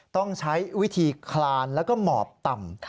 ต้องใช้วิธีคลานแล้วก็หมอบต่ำ